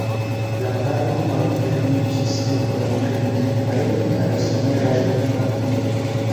La parko malfermiĝis dum la printempaj kaj someraj monatoj.